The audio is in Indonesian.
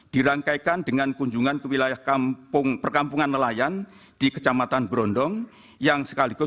dirangkaikan dengan kunjungan ke wilayah perkampungan nelayan di kecamatan brondel